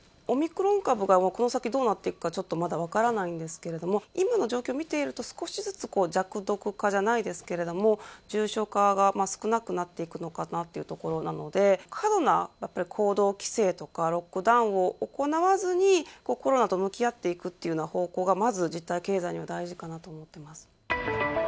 オミクロン株がこの先どうなっていくのかちょっとまだ分からないんですけれども、今の状況見ていると、少しずつ弱毒化じゃないですけれども、重症化が少なくなっていくのかなというところなので、過度なやっぱり行動規制とか、ロックダウンを行わずに、コロナと向き合っていくというような方向が、まず実体経済には大事かなと思ってます。